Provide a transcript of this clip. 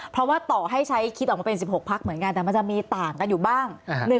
เพราะว่าต่อให้ใช้คิดออกมาเป็น๑๖พักเหมือนกันแต่มันจะมีต่างกันอยู่บ้าง